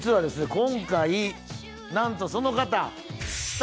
今回何とその方。